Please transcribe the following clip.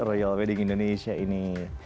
royal wedding indonesia ini